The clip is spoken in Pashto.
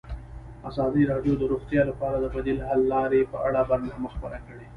ازادي راډیو د روغتیا لپاره د بدیل حل لارې په اړه برنامه خپاره کړې.